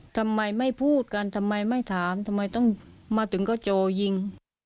ทำไมไม่พูดกันทำไมไม่ถามทำไมต้องมาถึงก็โจยิง